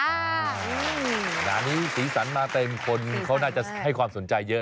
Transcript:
งานนี้สีสันมาเต็มคนเขาน่าจะให้ความสนใจเยอะ